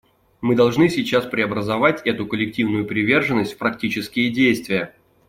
Мы должны сейчас преобразовать эту коллективную приверженность в практические действия.